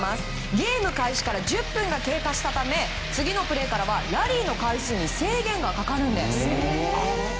ゲーム開始から１０分が経過したため次のプレーからは、ラリーの回数に制限がかかるんです。